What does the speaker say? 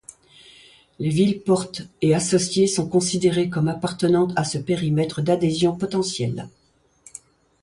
Les villes-portes et associées sont considérées comme appartenant à ce périmètre d'adhésions potentielles.